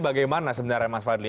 bagaimana sebenarnya mas fadli